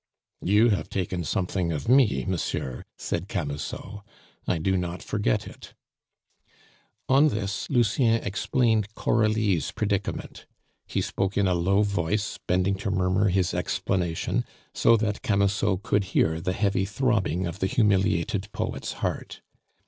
"You have taken something of me, monsieur," said Camusot; "I do not forget it." On this, Lucien explained Coralie's predicament. He spoke in a low voice, bending to murmur his explanation, so that Camusot could hear the heavy throbbing of the humiliated poet's heart.